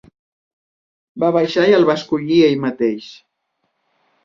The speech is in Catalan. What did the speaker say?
Va baixar i el va escollir ell mateix.